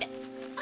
あ！